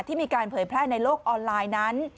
มีการเผยแพร่ในโลกออนไลน์นั้น